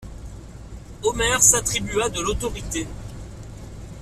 Omer s'attribua de l'autorité.